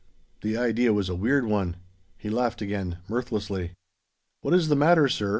The idea was a weird one. He laughed again, mirthlessly. "What is the matter, sir?"